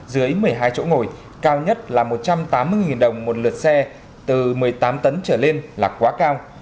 dưới một mươi hai chỗ ngồi cao nhất là một trăm tám mươi đồng một lượt xe từ một mươi tám tấn trở lên là quá cao